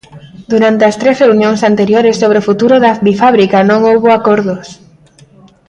Durante as tres reunións anteriores sobre o futuro da bifábrica non houbo acordos.